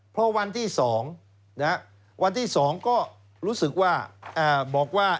เพราะวันที่๒ก็รู้สึกว่าบอกว่า